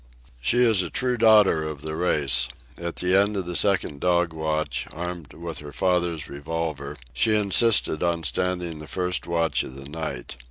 She is a true daughter of the race. At the end of the second dog watch, armed with her father's revolver, she insisted on standing the first watch of the night.